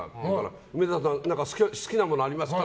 梅沢さん、好きなものありますか？